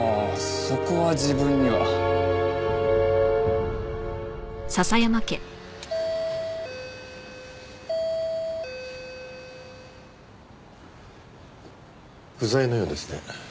そこは自分には。不在のようですね。